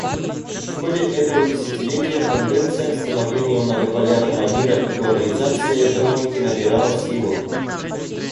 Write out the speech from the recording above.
В ходе этого десятилетия тенденция к становлению многополярного мира и глобализации экономики набирала силу.